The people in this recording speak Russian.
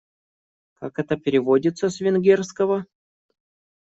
Как это переводится с венгерского?